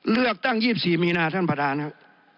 เลือกตั้ง๒๔มีนาท่านประธานครับ